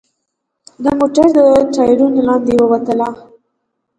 د موټر تر ټایرونو لاندې ووتله.